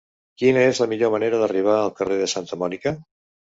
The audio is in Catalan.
Quina és la millor manera d'arribar al carrer de Santa Mònica?